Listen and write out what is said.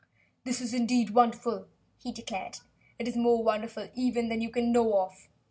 "This is indeed wonderful," he declared. "It is more wonderful, even, than you can know of.